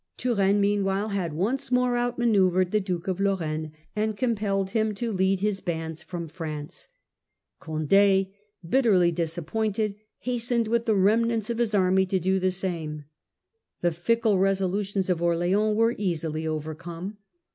Turenne mean while had once more outmanoeuvred the Duke of Lor raine, and compelled him to lead his bands from France. Flight of Condd, bitterly disappointed, hastened with Comte. the remnants of his army to do the same. The fickle resolutions of Orleans were easily overcome.